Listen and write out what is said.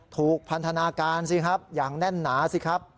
พันธนาการสิครับอย่างแน่นหนาสิครับ